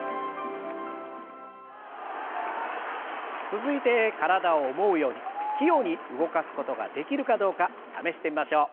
続いて体を思うように器用に動かすことができるかどうか試してみましょう。